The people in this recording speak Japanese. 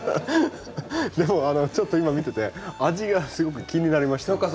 でもちょっと今見てて味がすごく気になりました。